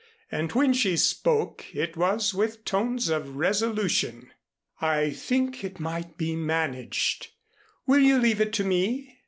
And when she spoke it was with tones of resolution. "I think it might be managed. Will you leave it to me?"